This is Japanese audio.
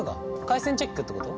回線チェックってこと？